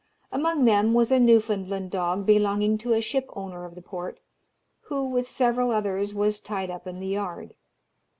Among them was a Newfoundland dog belonging to a shipowner of the port, who, with several others, was tied up in the yard.